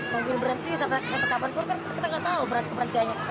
membuat berarti start hour kita gak tahu beranjenya sobat apa